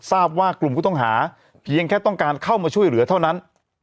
ทราบว่ากลุ่มผู้ต้องหาเพียงแค่ต้องการเข้ามาช่วยเหลือเท่านั้น